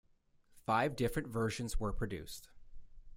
Five different versions were produced.